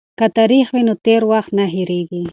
که تاریخ وي نو تیر وخت نه هیریږي.